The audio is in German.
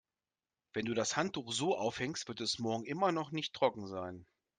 Wenn du das Handtuch so aufhängst, wird es morgen immer noch nicht trocken sein.